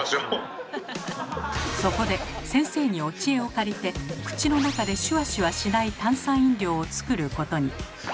そこで先生にお知恵を借りて口の中でシュワシュワしない炭酸飲料をつくることに。